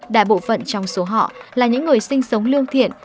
đại bộ phận trong số họ là những người sinh sống lương thiện